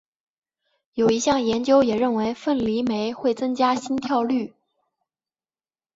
有一项研究也认为凤梨酶会增加心跳率。